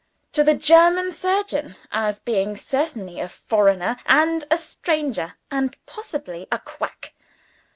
To the German surgeon, as being certainly a foreigner and a stranger, and possibly a quack.